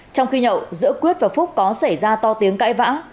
trong khi nhậu giữa quyết và phúc có xảy ra to tiếng cãi vã